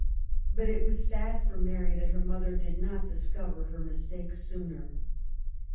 But it was sad for Mary that her mother did not discover her mistake sooner.